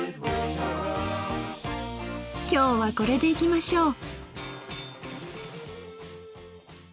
今日はこれでいきましょう。